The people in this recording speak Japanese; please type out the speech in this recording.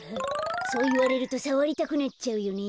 そういわれるとさわりたくなっちゃうよね。